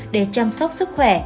để chăm sóc sức khỏe